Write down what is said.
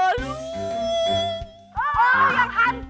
oh yang hantu